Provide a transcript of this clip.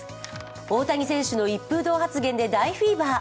大谷選手の一風堂発言で大フィーバー。